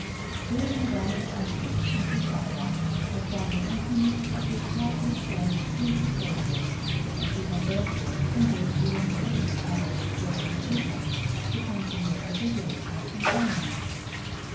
During her daughter's absence Mrs. Ardagh had found the emptiness of her childless life insupportable, and she had, therefore, engaged a young girl, called Jenny Levita, to come to her every day as companion.